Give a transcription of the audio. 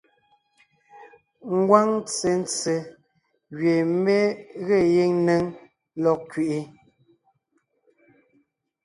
Ngwáŋ ntsentse gẅie mé ge gíŋ néŋ lɔg kẅiʼi,